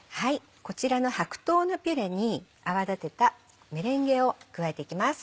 こちらの白桃のピューレに泡立てたメレンゲを加えていきます。